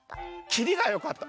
きりがよかった？